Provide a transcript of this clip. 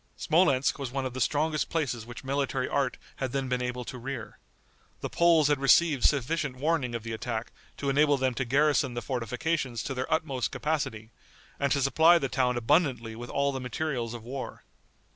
Smolensk was one of the strongest places which military art had then been able to rear. The Poles had received sufficient warning of the attack to enable them to garrison the fortifications to their utmost capacity and to supply the town abundantly with all the materials of war.